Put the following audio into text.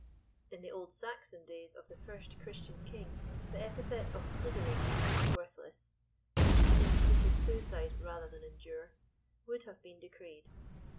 In the old Saxon days of the first Christian King, the epithet of "niddering" (worthless), which men committed suicide rather than endure, would have been decreed.